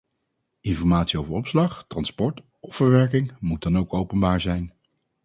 Informatie over opslag, transport of verwerking moet dan ook openbaar zijn.